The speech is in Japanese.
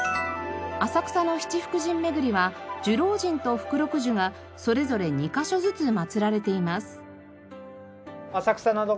浅草の七福神巡りは寿老神と福禄寿がそれぞれ２カ所ずつ祭られています。